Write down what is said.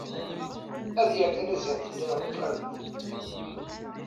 Ad yerr talazant-nni ɣer ufarnu.